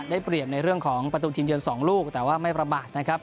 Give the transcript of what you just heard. ได้เปรียบในเรื่องของประตูทีมเยือน๒ลูกแต่ว่าไม่ประมาทนะครับ